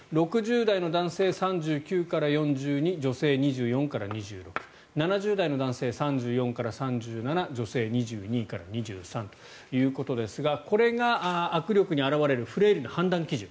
６０代の男性、３９から４２女性２４から２６７０代の男性、３４から３７女性、２２から２３ということですがこれが握力に表れるフレイルの判断基準。